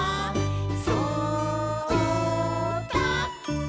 「そうだ」